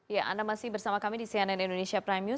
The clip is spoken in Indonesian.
ya anda masih bersama kami di cnn indonesia prime news